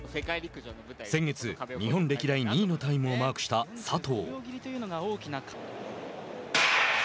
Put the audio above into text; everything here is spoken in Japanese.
先月、日本歴代２位のタイムをマークした佐藤。